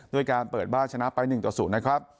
ด้วยการเปิดบ้านชนะไป๑ต่อ๐นะครับ